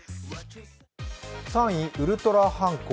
３位、ウルトラハンコ。